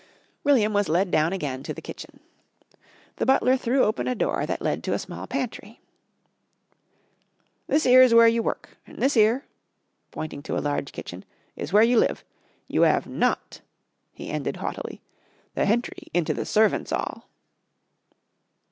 William was led down again to the kitchen. The butler threw open a door that led to a small pantry. "This 'ere is where you work, and this 'ere," pointing to a large kitchen, "is where you live. You 'ave not," he ended haughtily "the hentry into the servants' 'all."